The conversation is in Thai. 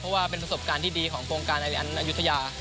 เพราะว่าเป็นประสบการณ์ที่ดีของโครงการอะไรอันอายุทยา